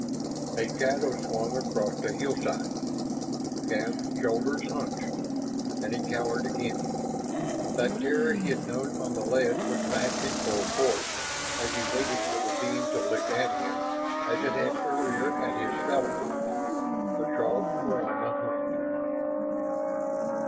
A shadow swung across the hillside. Shann's shoulders hunched, and he cowered again. That terror he had known on the ledge was back in full force as he waited for the beam to lick at him as it had earlier at his fellows. The Throgs were on the hunt....